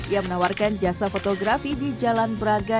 yang menawarkan jasa fotografi di jalan braga